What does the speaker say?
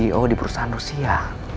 ceo di perusahaan rusia